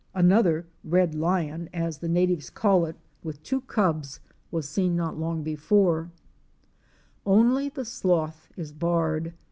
Another "red lion," as THE LAKE OF PITCH. 61 the natives called it, with two cubs, was seen not long before. Only the sloth is barred.